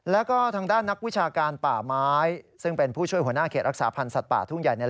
แล้วก็ทางด้านนักวิชาการป่าไม้ซึ่งเป็นผู้ช่วยหัวหน้าเขตรักษาพันธ์สัตว์ป่าทุ่งใหญ่